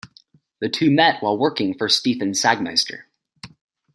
The two met while working for Stefan Sagmeister.